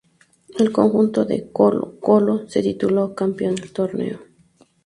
El conjunto de Colo-Colo se tituló campeón del torneo.